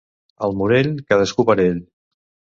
Al Morell, cadascú per ell.